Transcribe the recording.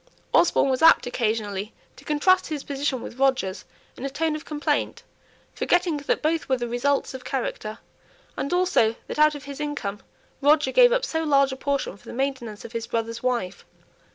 Osborne was apt occasionally to contrast his position with Roger's in a tone of complaint, forgetting that both were the results of character, and also that out of his income Roger gave up so large a portion for the maintenance of his brother's wife.